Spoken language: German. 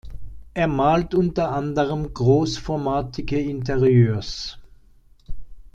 Er malt unter anderem großformatige Interieurs.